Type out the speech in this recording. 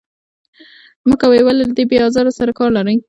مه کوئ، ولې له دې بې آزار سره کار لرئ.